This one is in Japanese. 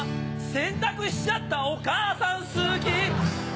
洗濯しちゃったお母さん好き